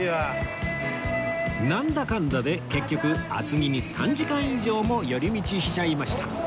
なんだかんだで結局厚木に３時間以上も寄り道しちゃいました